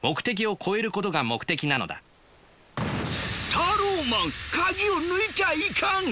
タローマン鍵を抜いちゃいかん！